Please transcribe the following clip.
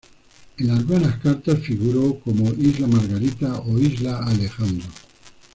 En algunas cartas figuró como "isla Margarita" o "isla Alejandro".